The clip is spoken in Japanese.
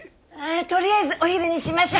とりあえずお昼にしましょ。